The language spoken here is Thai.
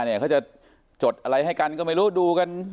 เขาจะจดอะไรให้กันก็ไม่รู้ดูกัน